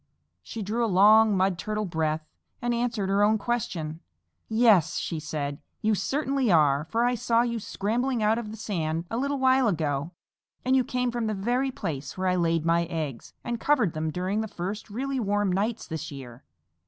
She drew a long Mud Turtle breath and answered her own question. "Yes," she said, "you certainly are, for I saw you scrambling out of the sand a little while ago, and you came from the very place where I laid my eggs and covered them during the first really warm nights this year.